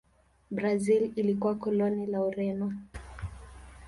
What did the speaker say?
Brazil ilikuwa koloni la Ureno.